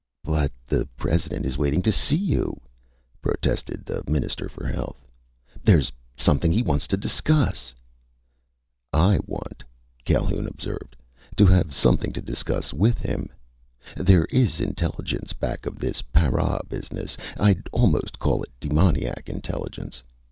"But the President is waiting to see you!" protested the Minister for Health. "There's something he wants to discuss!" "I want," Calhoun observed, "to have something to discuss with him. There is intelligence back of this para business. I'd almost call it demoniac intelligence.